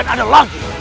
ridu raden surawisesa